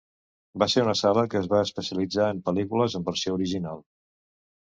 Va ser una sala que es va especialitzar en pel·lícules en versió original.